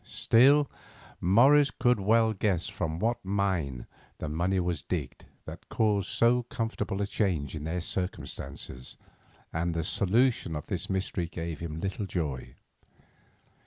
Still, Morris could well guess from what mine the money was digged that caused so comfortable a change in their circumstances, and the solution of this mystery gave him little joy.